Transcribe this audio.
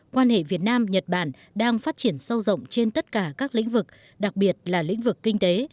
quan hệ việt nam nhật bản đang phát triển sâu rộng trên tất cả các lĩnh vực đặc biệt là lĩnh vực kinh tế